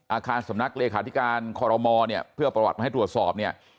อาคารสำนักเลขาธิการคอรมอเนี่ยเพื่อประวัติมาให้ตรวจสอบเนี่ย